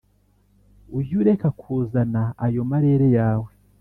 Ujy ureka kuzana ayo marere yawe